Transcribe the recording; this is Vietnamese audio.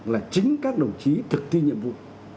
là chính các đồng chí thực thi nhiệm vụ